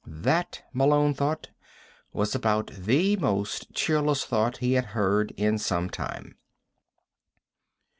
That, Malone thought, was about the most cheerless thought he had heard in some time.